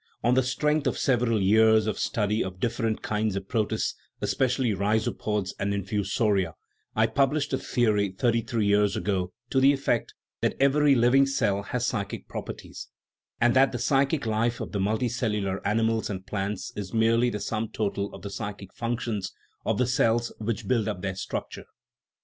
On the strength of several years of study of different kinds of protists, especially rhizopods and infusoria, I pub lished a theory thirty three years ago to the effect that every living cell has psychic properties, and that the 152 THE PHYLOGENY OF THE SOUL psychic life of the multicellular animals and plants is merely the sum total of the psychic functions of the cells which build up their structure.